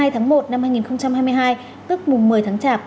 từ ngày một mươi hai tháng một năm hai nghìn hai mươi hai tức mùng một mươi tháng chả